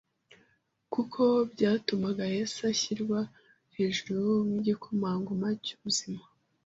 kuko byatumaga Yesu ashyirwa hejuru nk’igikomangoma cy’ubuzima